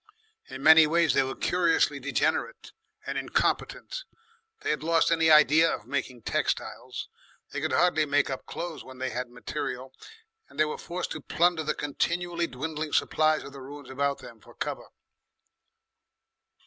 In many ways they were curiously degenerate and incompetent. They had lost any idea of making textiles, they could hardly make up clothes when they had material, and they were forced to plunder the continually dwindling supplies of the ruins about them for cover.